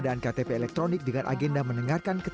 ini setengahnya bayangkan kan